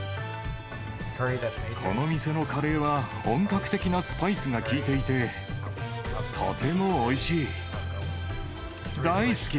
この店のカレーは、本格的なスパイスが効いていて、とてもおいしい。